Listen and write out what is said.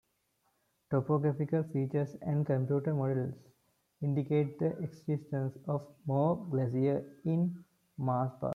Topographical features and computer models indicate the existence of more glaciers in Mars' past.